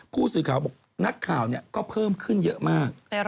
ผู้สื่อข่าวบอกนักข่าวก็เพิ่มขึ้นเยอะมาก